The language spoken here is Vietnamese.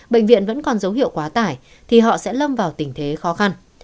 bệnh viện vẫn còn dấu hiệu quá tải thì họ sẽ lâm vào tình thế khó khăn